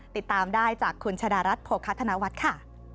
ติดตามได้จากคุณชะดารัฐโภคธนวัฒน์ค่ะ